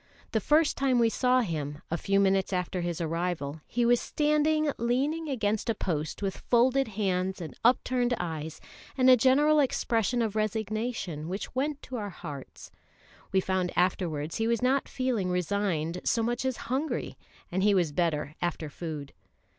The first time we saw him, a few minutes after his arrival, he was standing leaning against a post with folded hands and upturned eyes and a general expression of resignation which went to our hearts. We found afterwards he was not feeling resigned so much as hungry, and he was better after food.